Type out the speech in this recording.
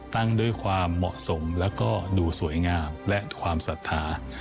ด้วยความเหมาะสมแล้วก็ดูสวยงามและความศรัทธา